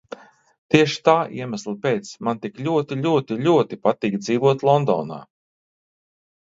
Tieši tā iemesla pēc man tik ļoti, ļoti, ļoti patīk dzīvot Londonā.